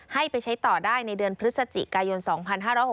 ให้ไปใช้ต่อได้ในเดือนพฤศจิกายน๒๕๖๖